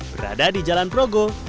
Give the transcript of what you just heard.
berada di jalan progo